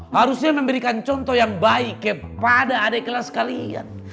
harusnya memberikan contoh yang baik kepada adek kelas kalian